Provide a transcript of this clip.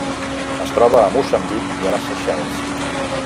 Es troba a Moçambic i les Seychelles.